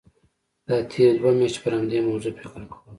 دا تېرې دوه میاشتې پر همدې موضوع فکر کوم.